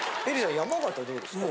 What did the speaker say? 山形どうですか？